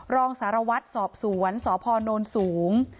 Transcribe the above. รองสารวัตรสอบสวนสพนสูง